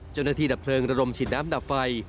เจ้าหน้าที่ดับเพลิงระดมฉีดน้ำดับไฟ